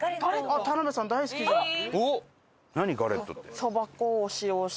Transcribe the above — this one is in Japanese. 田辺さん大好きじゃん。